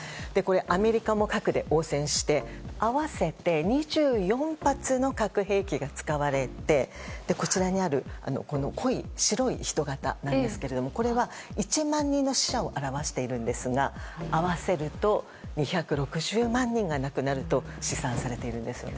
アメリカも核で応戦して合わせて２４発の核兵器が使われてこちらにある濃い白い人形ですがこれは、１万人の死者を表しているんですが合わせると２６０万人が亡くなると試算されているんです。